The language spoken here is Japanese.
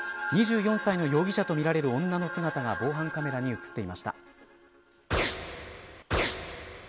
２４歳の容疑者とみられる女の姿が防犯カメラに映っていました。